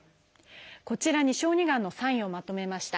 こちらに小児がんのサインをまとめました。